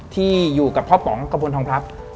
ที่อยู่กับพ่อป๋องกระบวนทองพัก